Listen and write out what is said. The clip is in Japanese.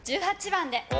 １８番で。